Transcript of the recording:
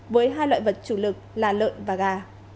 với hai loại vật chủ lực là lợn và gà